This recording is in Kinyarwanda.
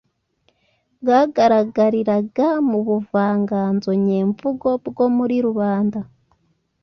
bwagaragariraga mu buvanganzo nyemvugo bwo muri rubanda.